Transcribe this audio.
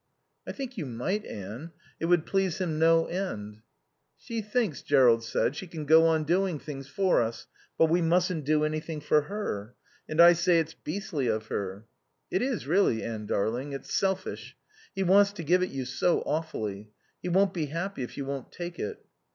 "I think you might, Anne. It would please him no end." "She thinks," Jerrold said, "she can go on doing things for us, but we mustn't do anything for her. And I say it's beastly of her." "It is really, Anne darling. It's selfish. He wants to give it you so awfully. He won't be happy if you won't take it."